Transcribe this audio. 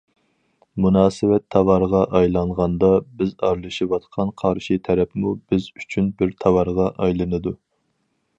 مۇناسىۋەت تاۋارغا ئايلانغاندا، بىز ئارىلىشىۋاتقان قارشى تەرەپمۇ بىز ئۈچۈن بىر تاۋارغا ئايلىنىدۇ.